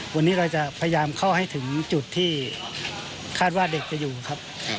วันนี้เราจะพยายามเข้าให้ถึงจุดที่คาดว่าเด็กจะอยู่ครับ